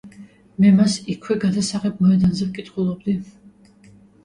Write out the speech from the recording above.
მე მას იქვე გადასაღებ მოედანზე ვკითხულობდი.